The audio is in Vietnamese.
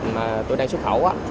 mà tôi đang xuất khẩu